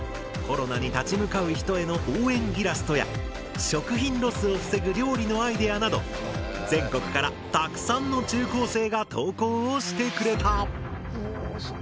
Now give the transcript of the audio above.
コロナに立ち向かう人への応援イラストや食品ロスを防ぐ料理のアイデアなど全国からたくさんの中高生が投稿をしてくれた。